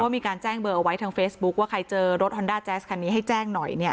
มีการแจ้งเบอร์เอาไว้ทางเฟซบุ๊คว่าใครเจอรถฮอนด้าแจ๊สคันนี้ให้แจ้งหน่อยเนี่ย